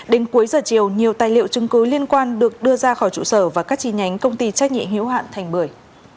đến cuối giờ chiều nhiều tài liệu chứng cứ liên quan được đưa ra khỏi trụ sở và các chi nhánh công ty trách nhiệm hiếu hạn thành bưởi